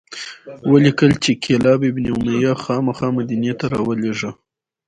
ولیکل چې کلاب بن امیة خامخا مدینې ته راولیږه.